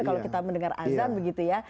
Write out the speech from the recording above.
kalau kita mendengar azan begitu ya